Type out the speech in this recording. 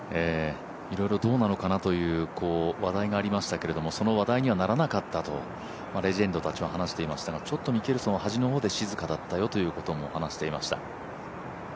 いろいろどうなのかなという話題がありましたけどその話題にはならなかったとレジェンドたちは話していましたが、ちょっとミケルソンは端の方で静かだったよと話していました。